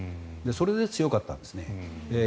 それで強かったんですね。